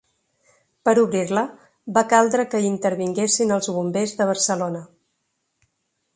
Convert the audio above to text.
Per obrir-la, va caldre que hi intervinguessin els bombers de Barcelona.